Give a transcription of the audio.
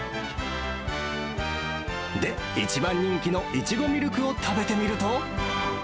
で、一番人気のいちごみるくを食べてみると。